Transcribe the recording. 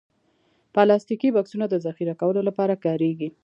پلاستيکي بکسونه د ذخیره کولو لپاره کارېږي.